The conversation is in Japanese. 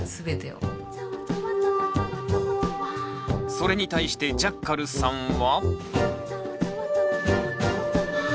それに対してジャッカルさんは？